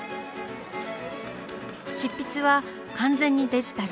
執筆は完全にデジタル。